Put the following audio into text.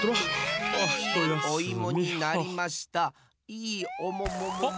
いいおもおも。